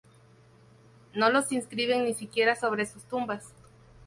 No los inscriben ni siquiera sobre sus tumbas.